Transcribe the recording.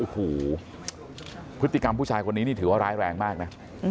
โอ้โหพฤติกรรมผู้ชายคนนี้นี่ถือว่าร้ายแรงมากนะ